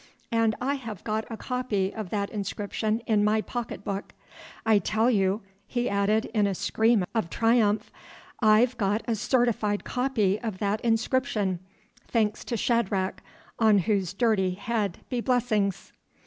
And I have got a copy of that inscription in my pocket book. I tell you," he added in a scream of triumph, "I've got a certified copy of that inscription, thanks to Shadrach, on whose dirty head be blessings!"